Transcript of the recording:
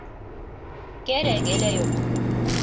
Кәрәге лә юҡ.